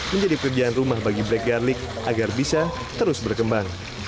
menjadi pekerjaan rumah bagi black garlic agar bisa terus berkembang